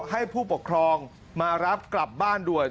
ให้ผู้ปกครองมารับกลับบ้านด่วน